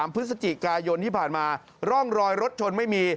พฤศจิกายนที่ผ่านมาร่องรอยรถชนไม่มี